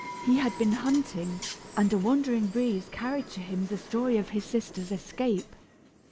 He had been hunting, and a wandering breeze carried to him the story of his sister's escape.